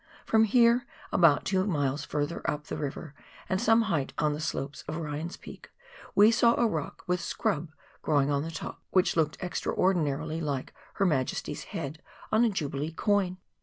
From here, about two miles further up the river, and some height on the slopes of Ryan's Peak, we saw a rock with scrub growing on the top, which looked extraordinarily like Her Majesty's head on a jubilee coin.